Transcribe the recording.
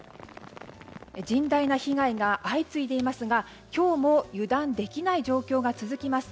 甚大な被害が相次いでいますが今日も油断できない状況が続きます。